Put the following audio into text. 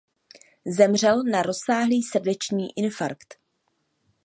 Zemřel na rozsáhlý srdeční infarkt.